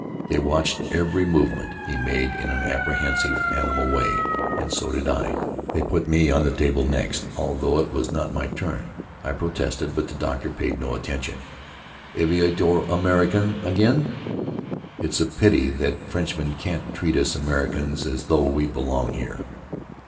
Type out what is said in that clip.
They watched every movement he made in an apprehensive, animal way, and so did I. They put me on the table next, although it was not my turn. I protested, but the doctor paid no attention. "Aviateur américain," again. It's a pity that Frenchmen can't treat us Americans as though we belong here.